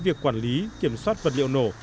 việc quản lý kiểm soát vật liệu nổ